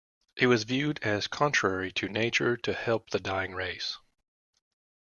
It was viewed as contrary to nature to help the dying race.